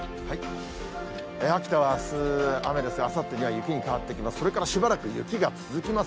秋田はあす雨ですが、あさってには雪に変わってきます。